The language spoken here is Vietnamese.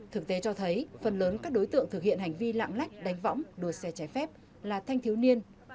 thực tế cho thấy phần lớn các đối tượng thực hiện hành vi lạng lách đánh võng đua xe trái phép là thanh thiếu niên